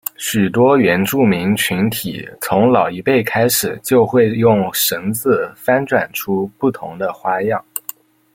许多原住民群体从老一辈开始就会用绳子翻转出不同的花样。